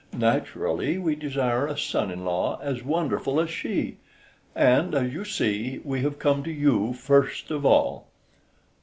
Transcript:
Naturally we desire a son in law as wonderful as she, and, as you see, we have come to you first of all."